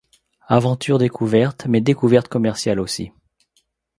Aventure découverte, mais découverte commerciale aussi.